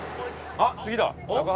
あっ次だ！